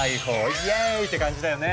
イェーイ！って感じだよね。